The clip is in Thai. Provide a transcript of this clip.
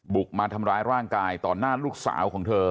มาทำร้ายร่างกายต่อหน้าลูกสาวของเธอ